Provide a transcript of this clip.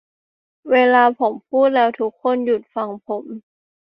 อย่างเวลาผมพูดแล้วทุกคนหยุดฟังผม